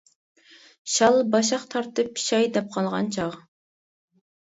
شال باشاق تارتىپ پىشاي دەپ قالغان چاغ.